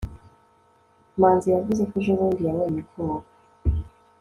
manzi yavuze ko ejobundi yabonye koga